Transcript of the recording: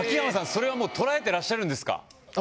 それはもう捉えてらっしゃるんですか？